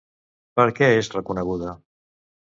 Per què és reconeguda?